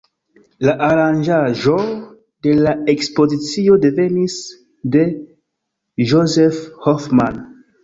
La aranĝaĵo de la ekspozicio devenis de Josef Hoffmann.